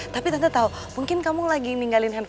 tapi neng tak khawatir sama mondi tuh